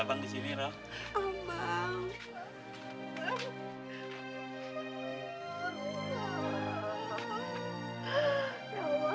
orang mungkin hanya memilangkannya dengan baik